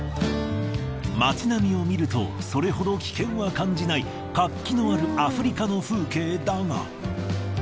町並みを見るとそれほど危険は感じない活気のあるアフリカの風景だが。